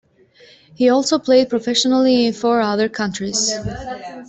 He also played professionally in four other countries.